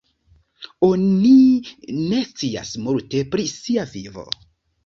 Oni ne scias multe pri sia vivo.